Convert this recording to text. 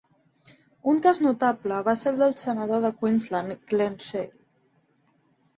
Un cas notable va ser el del senador de Queensland Glen Sheil.